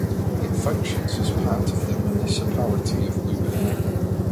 It functions as part of the Municipality of Lubin.